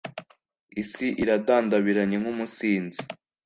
Isi iradandabiranye nk’umusinzi,